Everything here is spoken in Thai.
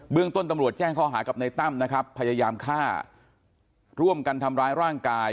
เรื่องต้นตำรวจแจ้งข้อหากับในตั้มนะครับพยายามฆ่าร่วมกันทำร้ายร่างกาย